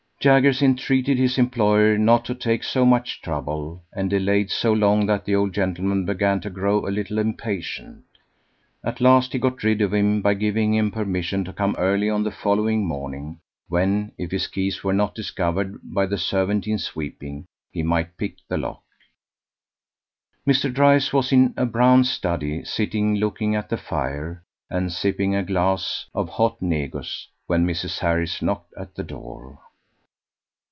Jaggers entreated his employer not to take so much trouble, and delayed so long that the old gentleman began to grow a little impatient. At last he got rid of him by giving him permission to come early on the following morning, when, if his keys were not discovered by the servant in sweeping, he might pick the lock. Mr. Dryce was in a brown study, sitting looking at the fire, and sipping a glass of hot negus, when Mrs. Harris knocked at the door.